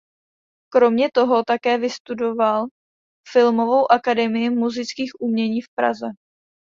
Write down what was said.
Kromě toho také vystudoval filmovou akademii múzických umění v Praze.